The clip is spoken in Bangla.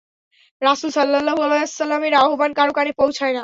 রাসূল সাল্লাল্লাহু আলাইহি ওয়াসাল্লাম এর আহ্বান কারো কানে পৌঁছে না।